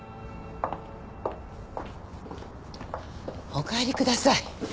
お帰りください。